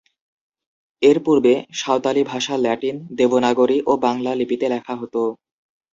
এর পূর্বে, সাঁওতালি ভাষা ল্যাটিন, দেবনাগরী ও বাংলা লিপিতে লেখা হত।